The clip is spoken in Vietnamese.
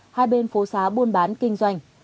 hai bên phố xá buôn bán kinh doanh